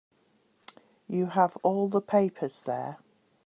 You have all the papers there.